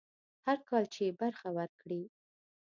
هر کال چې برخه ورکړي.